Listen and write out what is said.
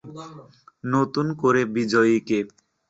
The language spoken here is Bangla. নতুন করে বিজয়ী কে?